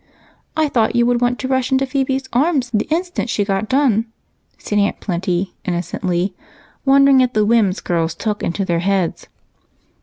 "I thought you would want to rush into Phebe's arms the instant she got done," said Aunt Plenty, innocently wondering at the whims girls took into their heads.